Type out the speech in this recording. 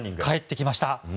帰ってきました。